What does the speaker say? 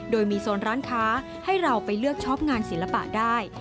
โดยมีโซนร้านค้าให้เราไปเลือกช็อปงานศิลปะได้